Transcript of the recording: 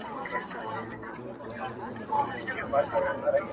خو د ماشوم په څېر پراته وه ورته زر سوالونه!!